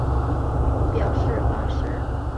罩杯是表示胸罩的大小的表示方式。